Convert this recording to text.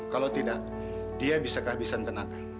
kalau tidak dia bisa kehabisan tenaga